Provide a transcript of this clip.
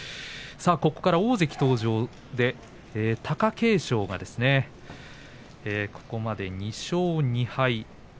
ここから大関登場で貴景勝がここまで２勝２敗。